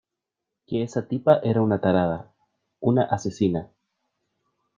que esa tipa era una tarada , una asesina .